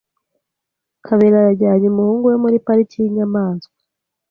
Kabera yajyanye umuhungu we muri pariki yinyamanswa.